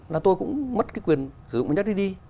là tôi cũng mất quyền sử dụng đất này đi